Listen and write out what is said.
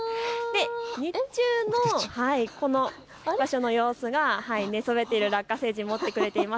日中のこの場所の様子、寝そべっているラッカ星人が持ってくれています。